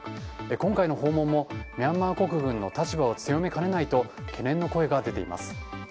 今回の訪問もミャンマー国軍の立場を強めかねないと懸念の声が出ています。